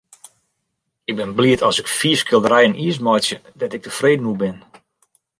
Ik bin bliid as ik fiif skilderijen jiers meitsje dêr't ik tefreden oer bin.